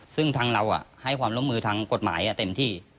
ซึ่งทางเราให้ความร่วมมือทางกฎหมายเต็มที่